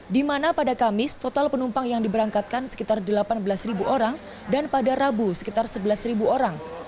di mana pada kamis total penumpang yang diberangkatkan sekitar delapan belas orang dan pada rabu sekitar sebelas orang